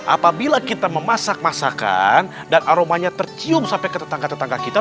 apabila kita memasak masakan dan aromanya tercium sampai ke tetangga tetangga kita